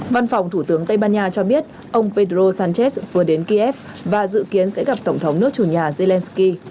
văn phòng thủ tướng tây ban nha cho biết ông pedro sánchez vừa đến kiev và dự kiến sẽ gặp tổng thống nước chủ nhà zelensky